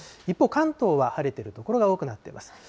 一方、関東は晴れている所が多くなっています。